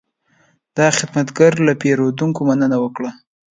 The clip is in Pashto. دا خدمتګر له پیرودونکو مننه وکړه.